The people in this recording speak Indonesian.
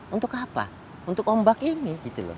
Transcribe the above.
untuk apa untuk ombak ini